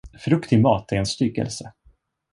Frukt i mat är en styggelse.